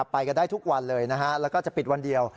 ไปกันได้ทุกวันเลยนะฮะแล้วก็จะปิดวันเดียว